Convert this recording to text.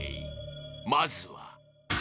まずは］